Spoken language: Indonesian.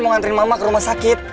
mau ngantriin mama ke rumah sakit